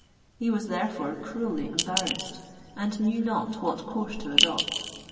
He was therefore cruelly embarrassed, and knew not what course to adopt.